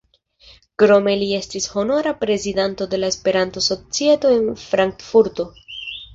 Krome li estis honora prezidanto de la Esperanto-Societo en Frankfurto.